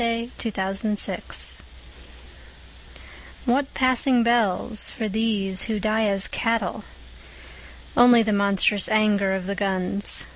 Anthem for Doomed Youth What passing bells for these who die as cattle? Only the monstrous anger of the guns.